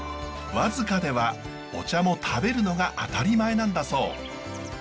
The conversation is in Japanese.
和束ではお茶も食べるのが当たり前なんだそう。